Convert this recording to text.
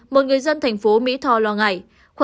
một người dân thành phố mỹ tho lo ngại